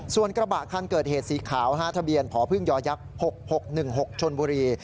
ส่วนกระบะคันเกิดเหตุสีขาวทะเบียนพพยักษ์๖๖๑๖ชนบุรี